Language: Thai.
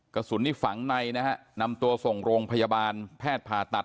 กระสุนนี่ฝังในนะฮะนำตัวส่งโรงพยาบาลแพทย์ผ่าตัด